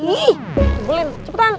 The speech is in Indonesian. ih bulin cepetan